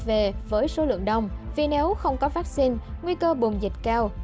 về với số lượng đông vì nếu không có vaccine nguy cơ buồn dịch cao